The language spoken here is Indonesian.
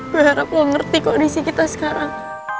gue harap lo ngerti kondisi kita sekarang